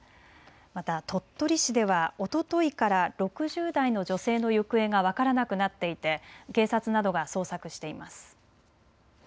また鳥取市ではおとといから６０代の女性の行方が分からなくなっていて警察などが捜索しています。